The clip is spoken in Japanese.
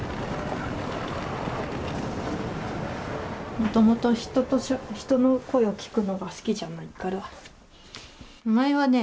もともと人の声を聞くのが好きじゃないから前はね